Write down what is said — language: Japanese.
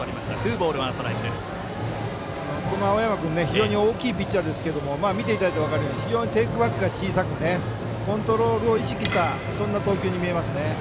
青山君、大きいピッチャーですが見ていただいて分かるように非常にテイクバックが小さくコントロールを意識したそんな投球に見えますね。